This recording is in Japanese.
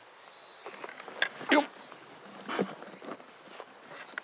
よっ。